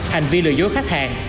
hành vi lừa dối khách hàng